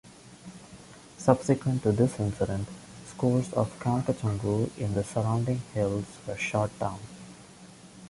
Subsequent to this incident, scores of Kalkatungu in the surrounding hills were shot down.